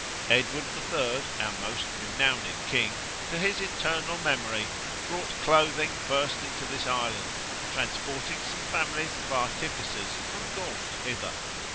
Edward the Third, our most renowned king, to his eternal memory, brought clothing first into this island, transporting some families of artificers from Gaunt hither.